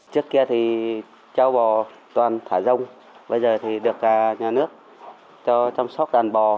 trước kia thì châu bò toàn thả rông bây giờ thì được nhà nước cho chăm sóc đàn bò